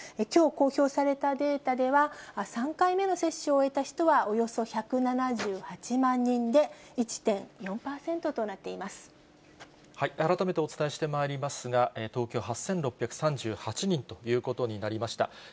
きょう公表されたデータでは、３回目の接種を終えた人はおよそ１７８万人で１．４％となってい改めてお伝えしてまいりますが、東京８６３８人ということになりました。